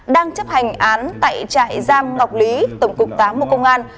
đang chấp hành án tại trại giam ngọc lý tổng cục tám bộ công an